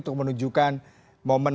untuk menunjukkan momen mereka